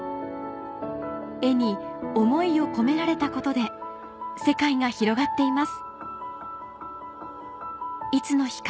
絵に思いを込められたことで世界が広がっています